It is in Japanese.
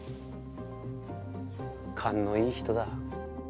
勘のいい人だ。